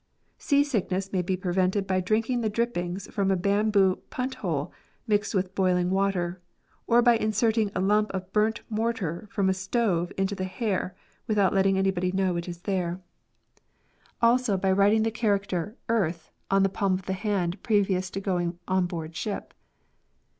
Sea sickness may be prevented by drinking the drippings from a bamboo punt hole mixed with boiling water, or by inserting a lump of burnt mortar from a stove into the hair, without letting anybody know it is there ; 44 MEDICAL SCIENCE also by writing the character earth on the palm of the hand previous to going on board ship.